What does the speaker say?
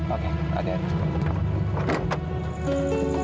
oke ada ya